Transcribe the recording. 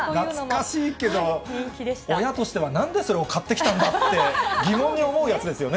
懐かしいけど、親としては、なんでそれを買ってきたんだって、疑問に思うやつですよね。